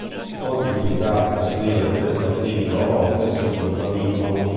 Le fonti utilizzate per scrivere questo articolo a volte si contraddicono.